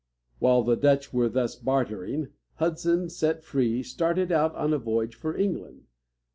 While the Dutch were thus bartering, Hudson, set free, started out on a voyage for England.